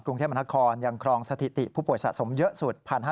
กรุงเทพมนาคมยังครองสถิติผู้ป่วยสะสมเยอะสุด